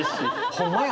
ホンマや！